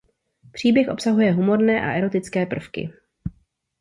Příběh obsahuje humorné a erotické prvky.